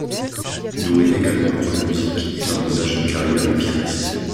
Doué également pour la musique, il envisage une carrière de pianiste.